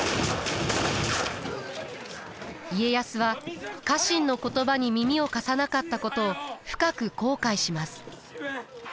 家康は家臣の言葉に耳を貸さなかったことを深く後悔します。